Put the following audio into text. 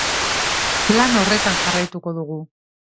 Lan horretan jarraituko dugu.